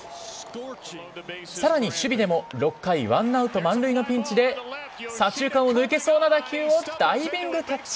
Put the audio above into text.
さらに、守備でも６回１アウト満塁のピンチで左中間を抜けそうな打球をダイビングキャッチ。